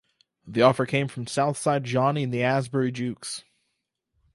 The offer came from Southside Johnny and the Asbury Jukes.